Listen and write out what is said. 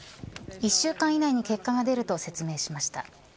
１週間以内に結果が出ると説明しました。